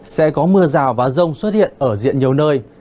sẽ có mưa rào và rông xuất hiện ở diện nhiều nơi